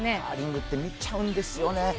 カーリングって見ちゃうんですよね。